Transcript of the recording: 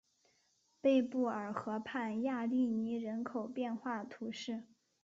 贝布尔河畔雅利尼人口变化图示